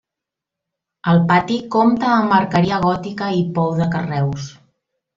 El pati compta amb arqueria gòtica i pou de carreus.